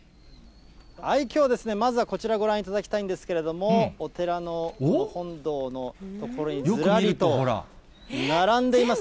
きょうですね、まずはこちらをご覧いただきたいんですけれども、お寺の本堂の所に、ずらりと並んでいます。